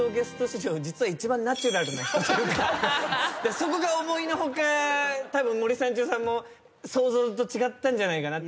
そこが思いの外たぶん森三中さんも想像と違ったんじゃないかなと。